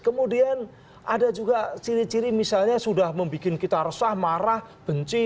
kemudian ada juga ciri ciri misalnya sudah membuat kita resah marah benci